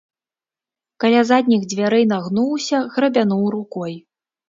Каля задніх дзвярэй нагнуўся, грабянуў рукой.